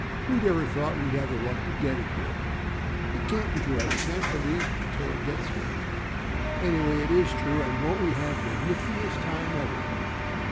"Who'd ever thought we'd have the luck to get it?" "It can't be true. I shan't believe it till it gets here." "Anyway, it is true, and won't we have the niftiest time ever?"